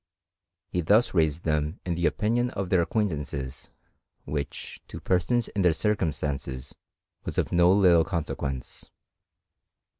He thus raised them in the opinion of their acquaintances, which, to persons in their cir cumstances, was of no little consequence.